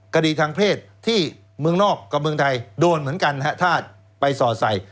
คดีทางเพศที่เมืองนอกกับเมืองไทยโดนเหมือนกันฮะถ้าไปสอดใส่